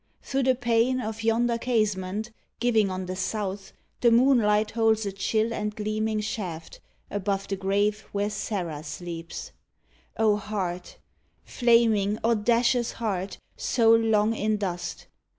Thro the pane Of yonder casement giving on the south, The moonlight holds a chill and gleaming shaft Above the grave where Serra sleeps. O heart I Flaming, audacious heart, so long in dust!